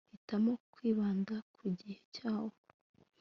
hitamo kwibanda ku gihe cyawe